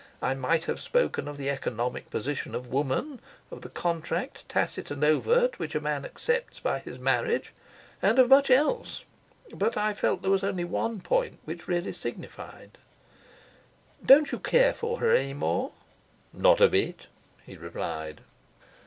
I might have spoken of the economic position of woman, of the contract, tacit and overt, which a man accepts by his marriage, and of much else; but I felt that there was only one point which really signified. "Don't you care for her any more?" "Not a bit," he replied.